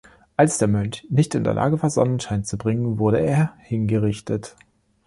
Als der Mönch nicht in der Lage war, Sonnenschein zu bringen, wurde er hingerichtet.